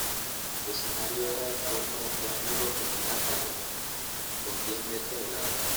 Su escenario era en forma de triángulo equilátero con diez metros de lado.